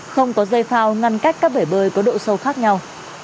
không có dây phao ngăn cách các bể bơi có độ sâu khác nhau